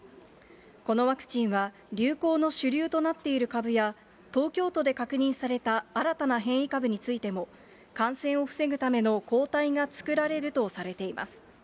このワクチンは、流行の主流となっている株や、東京都で確認された新たな変異株についても、感染を防ぐための抗体が作られるとされています。